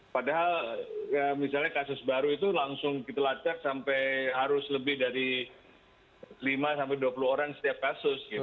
padahal misalnya kasus baru itu langsung kita lacak sampai harus lebih dari lima sampai dua puluh orang setiap kasus